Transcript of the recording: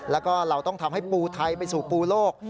แล้วก็เราต้องทำให้ปูไทยไปสู่ปูโลก